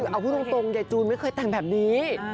เอาพูดตรงยายจูนไม่เคยแต่งแบบนี้